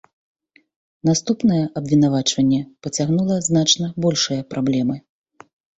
Наступнае абвінавачванне пацягнула значна большыя праблемы.